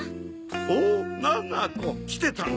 おっななこ来てたのか。